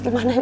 gak gak gak